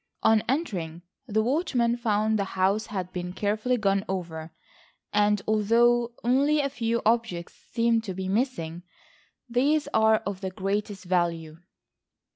On entering the watchman found the house had been carefully gone over, and although only a few objects seem to be missing, these are of the greatest value.